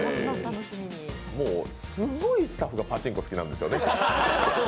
もうすごいスタッフがパチンコ好きなんでしょうね。